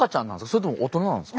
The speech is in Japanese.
それとも大人なんですか？